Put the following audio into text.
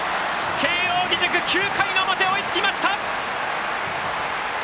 慶応義塾、９回の表に追いつきました！